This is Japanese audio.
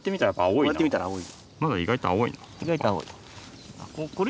まだ意外と青い。